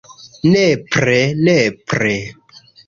Nepre, nepre...